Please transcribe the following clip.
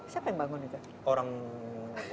siapa yang bangun itu